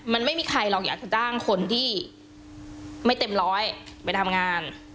มันไม่มีใครหรอกอยากจะจ้างคนที่ไม่เต็มร้อยไปทำงาน